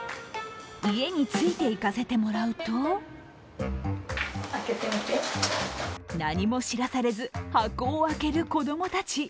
家に着いて行かせてもらうと何も知らされず、箱を開ける子供たち。